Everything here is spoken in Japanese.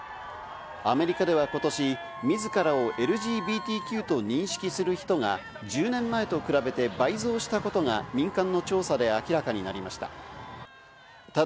アメリカでは今年、自らをＬＧＢＴＱと認識する人が１０年前と比べて倍増したことが民間の調査で明らかになりました。